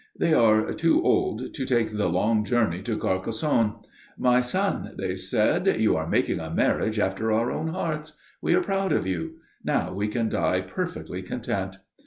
They are too old to take the long journey to Carcassonne. 'My son,' they said, 'you are making a marriage after our own hearts. We are proud of you. Now we can die perfectly content.'